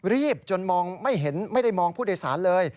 รีบจนไม่ได้มองผู้โดยสารเลย